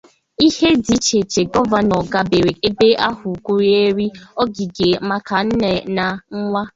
Ihe dị icheiche Gọvanọ gbapere ebe ahụ gụnyere ogigè maka nne na nwa